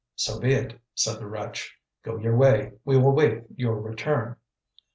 "So be it," said the wretch; "go your way; we will wait your return."